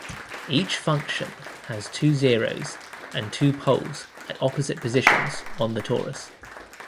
Each function has two zeroes and two poles at opposite positions on the torus.